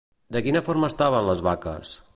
De quina forma estaven les vaques?